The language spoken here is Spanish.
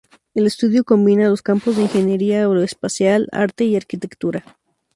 El estudio combina los campos de Ingeniería Aeroespacial, Arte y Arquitectura.